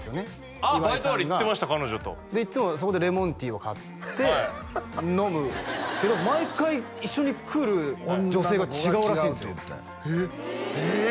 あっバイト終わり行ってました彼女といつもそこでレモンティーを買って飲むけど毎回一緒に来る女性が違うらしいんですよえっえ！